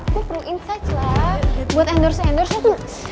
gue perlu insight lah buat endorse endorse nya tuh